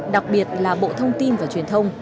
đặc biệt là bộ thông tin và truyền thông